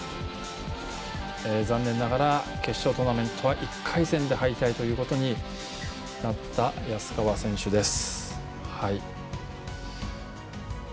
残念ながら決勝トーナメントは１回戦で敗退ということになった安川選手です。